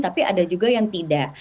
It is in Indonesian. tapi ada juga yang tidak